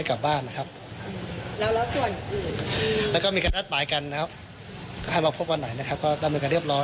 การรวมร่วมพยานหลักฐานนะครับ